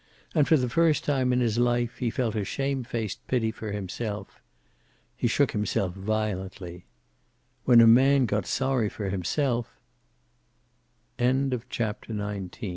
And for the first time in his life he felt a shamefaced pity for himself. He shook himself violently. When a man got sorry for himself CHAPTER XX Rudolph Klein had no